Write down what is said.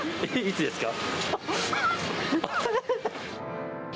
いつですか？